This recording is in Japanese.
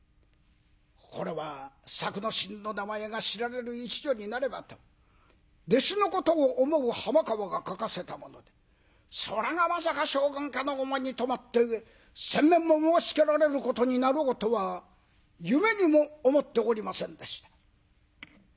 これは作之進の名前が知られる一助になればと弟子のことを思う浜川が書かせたものでそれがまさか将軍家のお目に留まった上扇面も申しつけられることになろうとは夢にも思っておりませんでした。